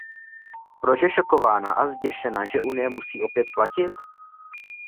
Proč je šokována a zděšena, že Unie musí opět platit?